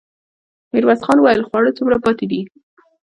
ميرويس خان وويل: خواړه څومره پاتې دي؟